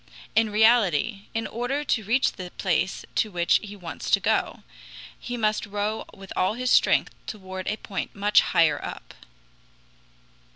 In reality, in order to reach the place to which he wants to go, he must row with all his strength toward a point much higher up.